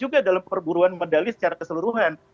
kita kuat juga dalam perburuan medali secara keseluruhan